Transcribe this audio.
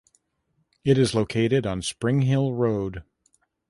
It is located on Springhill Road.